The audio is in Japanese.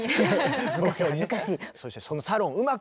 恥ずかしい恥ずかしい。